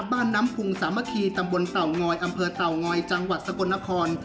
บ้านน้ำพุงสามัคคีตำบลเต่างอยอำเภอเต่างอยจังหวัดสกลนคร